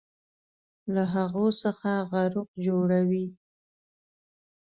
له هغو څخه غروق جوړوي